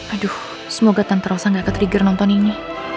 aduh semoga tanterosa gak ketrigger nonton ini